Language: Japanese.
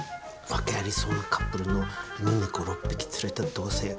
訳ありそうなカップルの犬猫６匹連れた同せい